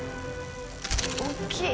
大きい！